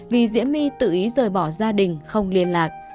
vì diễm my tự ý rời bỏ gia đình không liên lạc